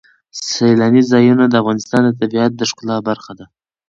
سیلاني ځایونه د افغانستان د طبیعت د ښکلا برخه ده.